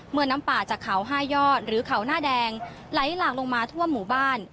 น้ำป่าจากเขา๕ยอดหรือเขาหน้าแดงไหลหลากลงมาทั่วหมู่บ้าน